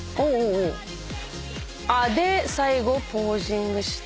で最後ポージングして。